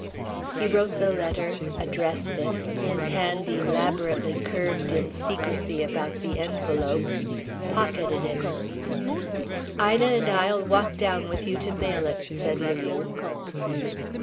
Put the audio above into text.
He wrote the letter, addressed it, his hand elaborately curved in secrecy about the envelope, pocketed it. "Ina and I'll walk down with you to mail it," said Lulu.